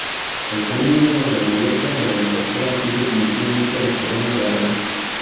El reino de Mallorca se reincorpora así definitivamente a la Corona de Aragón.